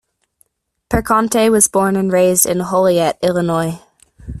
Perconte was born and raised in Joliet, Illinois.